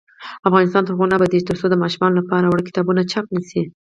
افغانستان تر هغو نه ابادیږي، ترڅو د ماشومانو لپاره وړ کتابونه چاپ نشي.